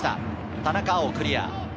田中碧、クリア。